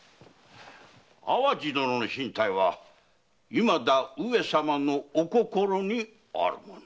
淡路殿の進退は未だ上様の御心にあるもの。